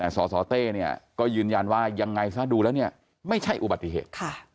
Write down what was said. สสเต้ก็ยืนยันว่ายังไงซะดูแล้วเนี่ยไม่ใช่อุบัติเหตุ